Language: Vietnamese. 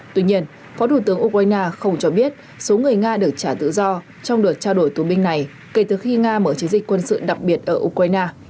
tuy nhiên phó thủ tướng ukraine không cho biết số người nga được trả tự do trong đợt trao đổi tù binh này kể từ khi nga mở chiến dịch quân sự đặc biệt ở ukraine